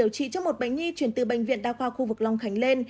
chỉ cho một bệnh nhi chuyển từ bệnh viện đa khoa khu vực long khánh lên